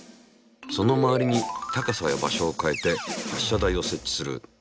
その周りに高さや場所を変えて発射台を設置する。